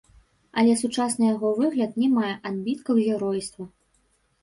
Але сучасны яго выгляд не мае адбіткаў геройства.